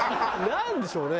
なんでしょうね？